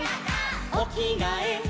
「おきがえ」